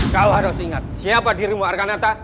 kau harus ingat siapa dirimu arkanata